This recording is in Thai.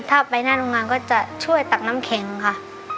ถ้าไปหน้าโรงงานก็จะช่วยตักน้ำแข็งค่ะ